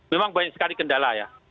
memang banyak sekali kendala ya